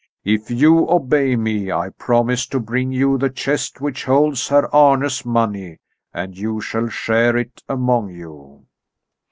If you obey me I promise to bring you the chest which holds Herr Arne's money, and you shall share it among you."